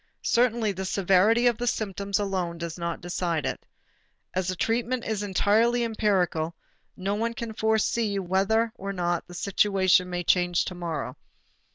Certainly the severity of the symptoms alone does not decide it. As the treatment is entirely empirical, no one can foresee whether or not the situation may change to morrow.